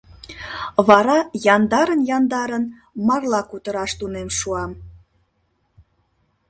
— Вара яндарын-яндарын марла кутыраш тунем шуам.